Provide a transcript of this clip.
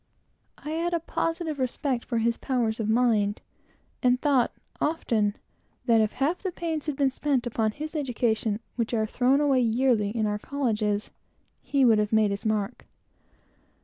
I had a positive respect for his powers of mind, and felt often that if half the pains had been spent upon his education which are thrown away, yearly, in our colleges, he would have been a man of great weight in society.